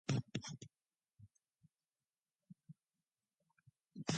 He studied modern history at Jesus College, Oxford.